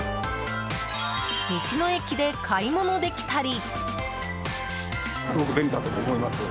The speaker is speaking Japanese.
道の駅で買い物できたり。